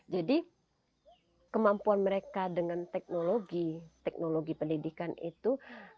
jadi kemampuan mereka dengan teknologi teknologi pendidikan itu